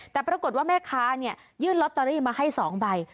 แต่ปรากฏว่าแม่ค้ายื่นลอตเตอรี่มาให้๒ใบ